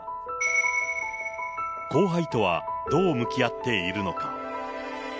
後輩とはどう向き合っているのか。